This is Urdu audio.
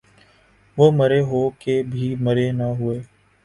وہ مرے ہو کے بھی مرے نہ ہوئے